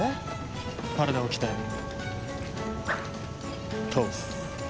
体を鍛え倒す。